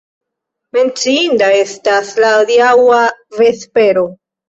Menciinda estas la adiaŭa vespero.